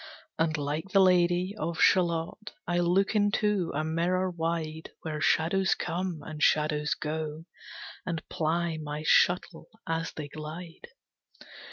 And like the Lady of Shalott I look into a mirror wide, Where shadows come, and shadows go, And ply my shuttle as they glide.